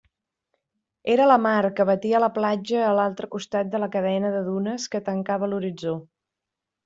Era la mar, que batia la platja a l'altre costat de la cadena de dunes que tancava l'horitzó.